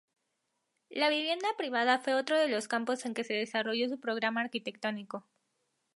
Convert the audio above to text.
La vivienda privada fue otro de los campos en que desarrolló su programa arquitectónico.